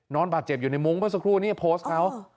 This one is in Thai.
บาดเจ็บอยู่ในมุ้งเมื่อสักครู่นี้โพสต์เขา